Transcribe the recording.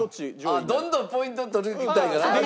どんどんポイント取りたいから。